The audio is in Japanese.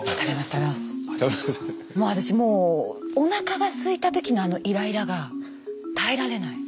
私もうおなかがすいた時のあのイライラが耐えられない。